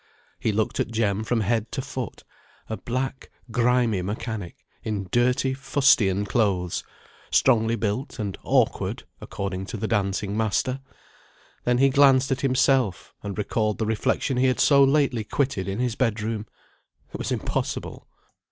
He looked at Jem from head to foot, a black, grimy mechanic, in dirty fustian clothes, strongly built, and awkward (according to the dancing master); then he glanced at himself, and recalled the reflection he had so lately quitted in his bed room. It was impossible.